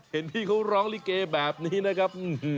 เห็นพี่เขาร้องลิเกแบบนี้นะครับ